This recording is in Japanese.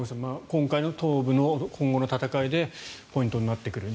今回の東部の今後の戦いでポイントになってくる。